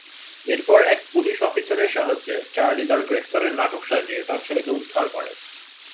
এরপর এক পুলিশ অফিসারের সাহায্যে চার্লি তার গ্রেফতারের নাটক সাজিয়ে তার ছেলেকে উদ্ধার করে।